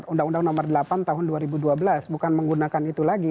undang undang nomor delapan tahun dua ribu dua belas bukan menggunakan itu lagi